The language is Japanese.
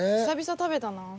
久々食べたな。